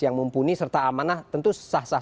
yang mumpuni serta amanah tentu sah sah